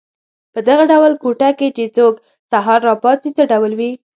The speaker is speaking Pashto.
په دغه ډول کوټه کې چې څوک سهار را پاڅي څه ډول وي.